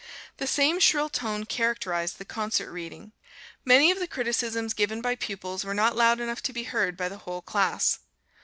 The same shrill tone characterized the concert reading. Many of the criticisms given by pupils were not loud enough to be heard by the whole class.